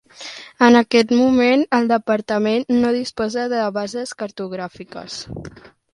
En aquest moment el Departament no disposa de bases cartogràfiques.